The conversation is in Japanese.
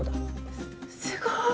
すすごい。